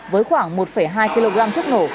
với khoảng một hai kg thước nổ